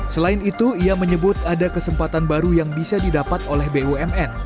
selain itu ia menyebut ada kesempatan baru yang bisa didapat oleh bumn